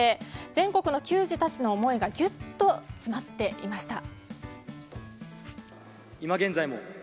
全国の球児たちの思いがギュッと詰まっていました。